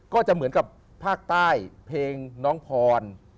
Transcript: ก็จะเหมือนกับภาคใต้เพลงน้องพร